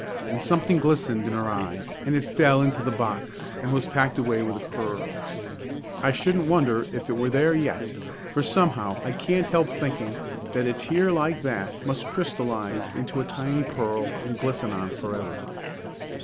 And something glistened in her eye and it fell into the box and was packed away with the curls. I shouldn't wonder if it were there yet, for somehow I can't help thinking that a tear like that must crystallise into a tiny pearl and glisten on forever.